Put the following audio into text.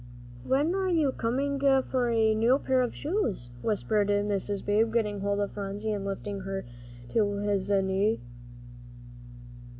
"When are you coming for a new pair of shoes?" whispered Mr. Beebe, getting hold of Phronsie and lifting her to his knee.